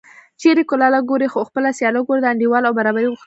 چېرې کلاله ګوره خو خپله سیاله ګوره د انډول او برابرۍ غوښتنه کوي